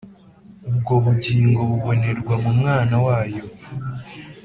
ubwo bugingo bubonerwa mu Mwana wayo"